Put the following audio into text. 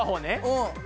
うん。